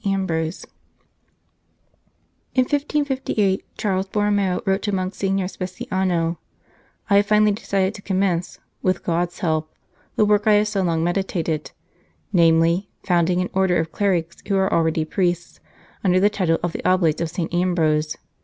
AMBROSE IN 1558 Charles Borromeo wrote to Monsignor Speciano : "I have finally decided to commence, with God s help, the work I have so long meditated, namely, founding an Order of clerics who are already priests, under the title of the Oblates of St. Ambrose.